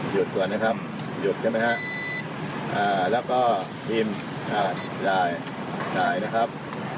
หยุดตัวนะครับหยุดใช่ไหมฮะอ่าแล้วก็พิมพ์อ่าได้ได้นะครับ